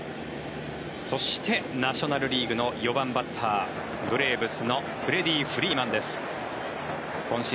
そして、ナショナル・リーグの４番バッターブレーブスのフレディ・フリーマンです。